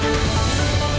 kami kembali setelah jeda